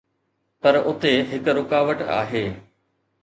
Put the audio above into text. پر اتي هڪ رڪاوٽ آهي.